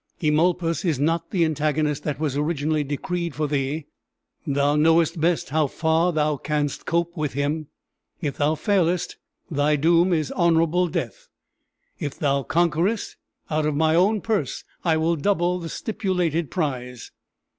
Eumolpus is not the antagonist that was originally decreed for thee. Thou knowest best how far thou canst cope with him. If thou failest, thy doom is honorable death; if thou conquerest, out of my own purse I will double the stipulated prize."